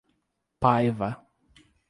Paiva